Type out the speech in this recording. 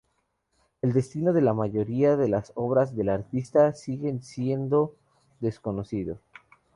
El destino de la mayoría de las obras del artista sigue siendo desconocido.